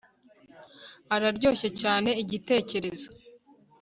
Araryoshye cyane igitekerezo